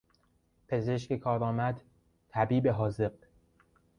پزشک کارامد، طبیب حاذق